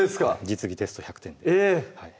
実技テスト１００点でえっ！